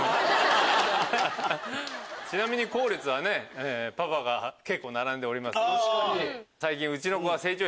ちなみに後列はパパが結構並んでおりますけど。